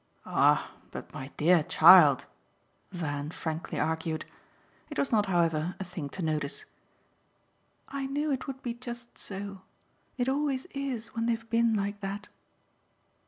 "Ah but my dear child !" Van frankly argued. It was not, however, a thing to notice. "I knew it would be just so. It always is when they've been like that."